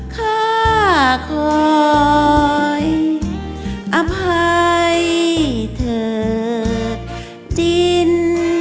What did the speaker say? ข้าคอยอภัยเถิดจิน